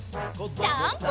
ジャンプ！